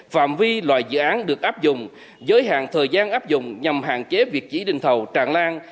phạm vi loại dự án được áp dụng giới hạn thời gian áp dụng nhằm hạn chế việc chỉ định thầu tràn lan